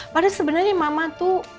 padahal sebenarnya mama tuh